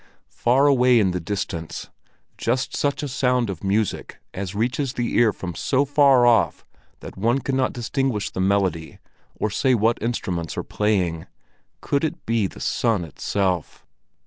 far away in the distance, just such a sound of music as reaches the ear from so far off that one cannot distinguish the melody, or say what instruments are playing. Could it be the sun itself?